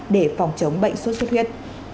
để phòng chống bệnh sốt sốt huyết